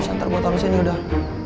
santar gue taruh disini udah